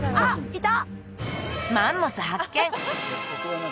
いた！